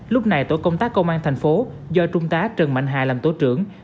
lúc này tổ công tác công an thành phố do trung tá trần mạnh hà làm tổ trưởng